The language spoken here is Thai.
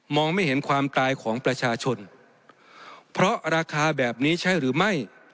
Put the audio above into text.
ไม่เห็นความตายของประชาชนเพราะราคาแบบนี้ใช่หรือไม่